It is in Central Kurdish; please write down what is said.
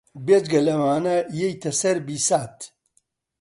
بێجگە لەمانە یێتە سەر بیسات